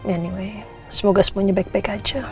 anyway semoga semuanya baik baik aja